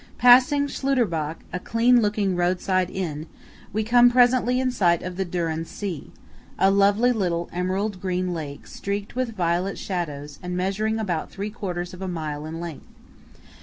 Passing Schluderbach, a clean looking road side inn, we come presently in sight of the Dürren See, a lovely little emerald green lake streaked with violet shadows and measuring about three quarters of a mile in length.